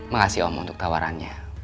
makasih om untuk tawarannya